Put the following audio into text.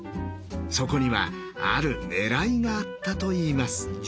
そこにはあるねらいがあったといいます。